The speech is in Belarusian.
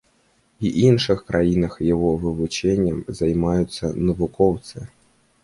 І іншых краінах яго вывучэннем займаюцца навукоўцы.